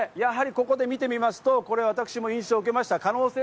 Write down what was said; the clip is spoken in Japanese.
なので、やはりここで見てみますと、私も印象を受けました。